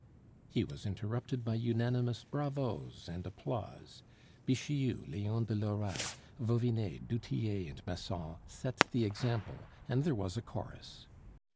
He was interrupted by unanimous bravos and applause. Bixiou, Leon de Lora, Vauvinet, du Tillet, and Massol set the example, and there was a chorus.